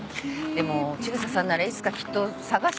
でも千草さんならいつかきっと捜し当てちゃう気がする。